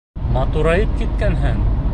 Матурайып киткәнһең!